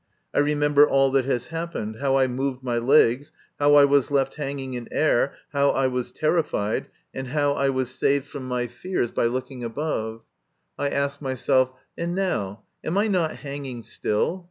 I remember all that has happened how I moved my legs, how I was left hanging in air, how I was terrified, and how I was saved from my fears 148 MY CONFESSION. by looking above. I ask myself, "And now, am I not hanging still?"